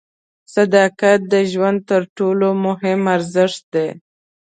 صداقت د ژوند تر ټولو مهم ارزښت دی.